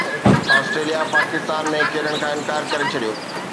Australia Pakistan ۾ کيڏڻ کان انڪار ڪري ڇڏيو